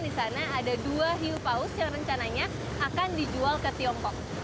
di sana ada dua hiu paus yang rencananya akan dijual ke tiongkok